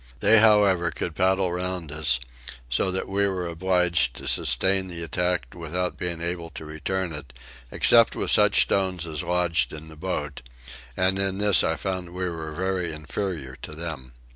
They however could paddle round us, so that we were obliged to sustain the attack without being able to return it, except with such stones as lodged in the boat, and in this I found we were very inferior to them.